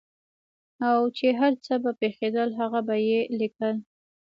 او چې هر څه به پېښېدل هغه به یې لیکل.